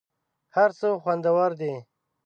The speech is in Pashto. هر څه خوندور دي .